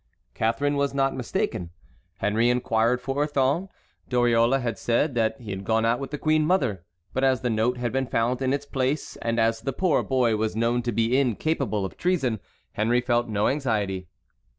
Catharine was not mistaken. Henry inquired for Orthon. Dariole said that he had gone out with the queen mother; but as the note had been found in its place, and as the poor boy was known to be incapable of treason, Henry felt no anxiety.